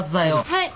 はい。